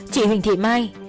chị huỳnh thị mai